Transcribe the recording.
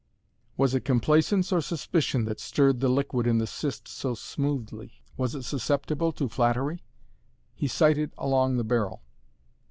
Was it complacence or suspicion that stirred the liquid in the cyst so smoothly? Was it susceptible to flattery? He sighted along the barrel.